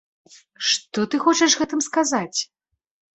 Што ты хочаш гэтым сказаць?